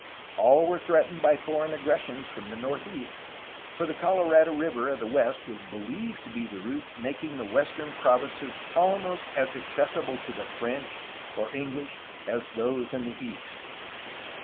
All were threat ened by foreign aggressions from the northeast, for the Colorado River of the west was believed to be a route making the western provinces almost as accessible to the French or English as those in the east.